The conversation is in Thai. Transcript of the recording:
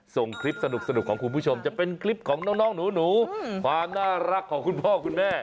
ส่งคลิปสนุกของคุณผู้ชมจะเป็นคลิปของน้องหนูความน่ารักของคุณพ่อคุณแม่